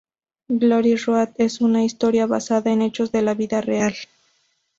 Glory Road es una historia basada en hechos de la vida real.